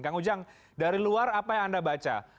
kang ujang dari luar apa yang anda baca